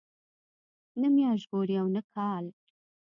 نه میاشت ګوري او نه کال.